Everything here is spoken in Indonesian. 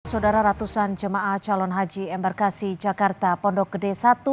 saudara ratusan jemaah calon haji embarkasi jakarta pondok gede i